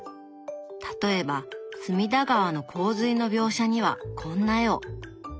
例えば隅田川の洪水の描写にはこんな絵を。